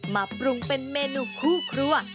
มาปรุงเป็นเมนูคู่ครัว